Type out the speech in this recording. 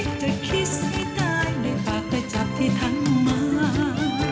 จะคิดให้ตายโดยปากไปจับที่ทางมา